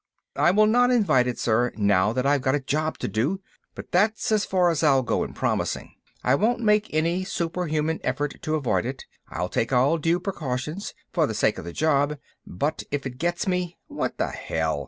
"I will not invite it, sir, now that I've got a job to do. But that's as far as I'll go in promising. I won't make any superhuman effort to avoid it. I'll take all due precautions, for the sake of the job, but if it gets me, what the hell?